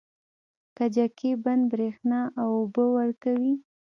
کجکي بند بریښنا او اوبه ورکوي